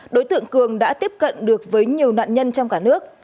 đối tượng cường đã tiếp cận được với nhiều nạn nhân trong cả nước